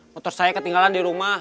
motor saya ketinggalan di rumah